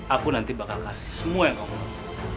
aku nanti bakal kasih semua yang kamu mau